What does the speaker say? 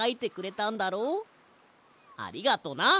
ありがとな。